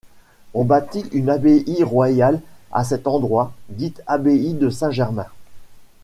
On bâtit une abbaye royale à cet endroit, dite abbaye de Saint-Germain.